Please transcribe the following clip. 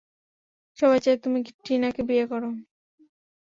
সবাই চায় তুমি টিনাকে বিয়ে করো।